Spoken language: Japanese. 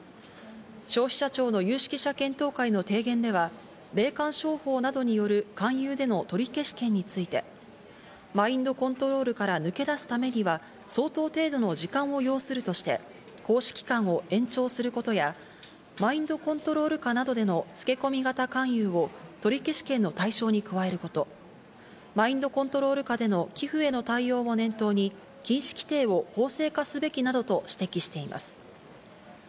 消費者庁の有識者検討会の提言では、霊感商法などによる勧誘での取り消し権について、マインドコントロールから抜け出すためには相当程度の時間を要するとして、行使期間を延長することや、マインドコントロール下での漬け込み型勧誘を取り消し権の対象に加えること、マインドコントロール下での寄付への対応を念頭に禁止規定を法制化すべきなどと指摘しています。